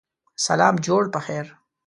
سلام جوړ پخیر